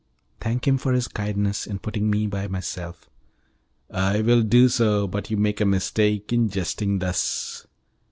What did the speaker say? "Thank him for his kindness in putting me by myself." "I will do so, but you make a mistake in jesting thus."